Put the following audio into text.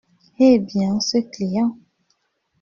Eh bien, ce client ?